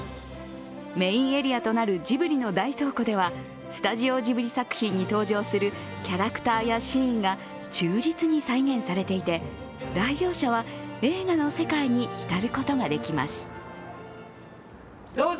メインエリアとなるジブリの大倉庫ではスタジオジブリ作品に登場するキャラクターやシーンが忠実に再現されていて来場者は映画の世界に浸ることができます。